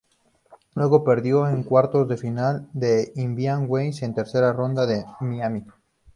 Luego perdió en cuartos de final de Indian Wells y tercera ronda de Miami.